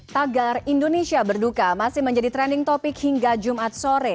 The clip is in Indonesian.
tagar indonesia berduka masih menjadi trending topic hingga jumat sore